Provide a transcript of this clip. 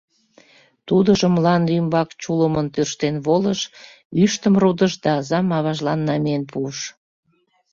Тудыжо мланде ӱмбак чулымын тӧрштен волыш, ӱштым рудыш да азам аважлан намиен пуыш.